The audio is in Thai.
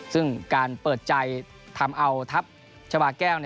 ซึ่งการเปิดใจทำเอาทัพชาวาแก้ว